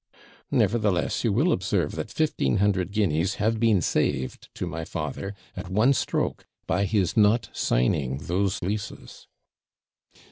'Nevertheless, you will observe that fifteen hundred guineas have been saved to my father, at one stroke, by his not signing those leases.'